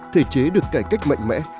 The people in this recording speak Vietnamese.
thể chế được cải cách mạnh mẽ